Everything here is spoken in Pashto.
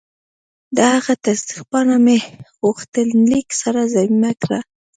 د هغه تصدیق پاڼه مې له غوښتنلیک سره ضمیمه کړه.